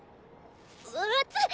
熱っ！